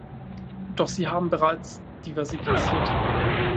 Doch sie haben bereits diversifiziert.